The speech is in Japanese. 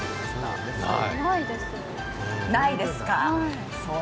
ないですか。